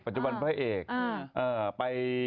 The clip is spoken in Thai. ปัจจุบันมาแบอร์เอเกต